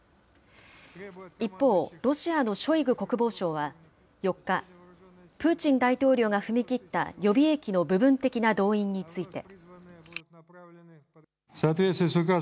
一方、ロシアのショイグ国防相は４日、プーチン大統領が踏み切った予備役の部分的な動員について。